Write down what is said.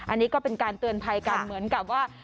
อันนี้ก็เป็นการเตือนภัยกันเหมือนกับว่า